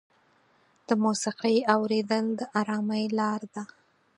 د موسیقۍ اورېدل د ارامۍ لاره ده.